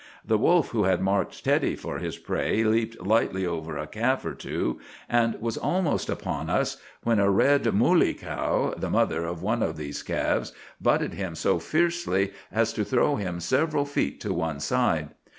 The wolf who had marked Teddy for his prey leaped lightly over a calf or two, and was almost upon us, when a red 'moolley' cow, the mother of one of these calves, butted him so fiercely as to throw him several feet to one side.